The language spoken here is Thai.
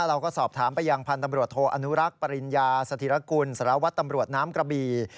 เราก็สอบถามไปยังพันธุ์ตำรวจโทอนุรักษ์ปริญญาสถิรกุลสารวัตรตำรวจน้ำกระบี่